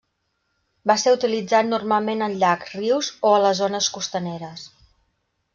Va ser utilitzat normalment en llacs, rius, o a les zones costaneres.